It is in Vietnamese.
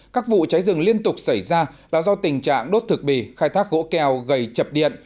các vụ cháy rừng liên tục xảy ra là do tình trạng đốt thực bì khai thác gỗ keo gây chập điện